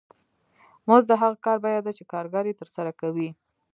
مزد د هغه کار بیه ده چې کارګر یې ترسره کوي